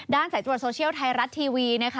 ด้านสายตรวจโซเชียลไทยรัฐทีวี